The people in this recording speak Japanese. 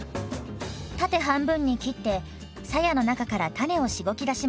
縦半分に切ってさやの中から種をしごき出しましょう。